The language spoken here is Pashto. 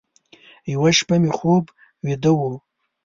یوه شپه مې خوب ویده و،